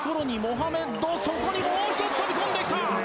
もう１つ飛び込んできた！